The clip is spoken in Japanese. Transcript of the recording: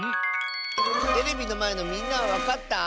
テレビのまえのみんなはわかった？